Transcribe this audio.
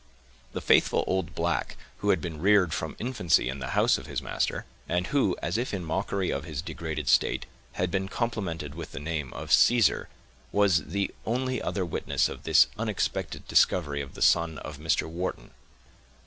The faithful old black, who had been reared from infancy in the house of his master, and who, as if in mockery of his degraded state, had been complimented with the name of Caesar, was the only other witness of this unexpected discovery of the son of Mr. Wharton.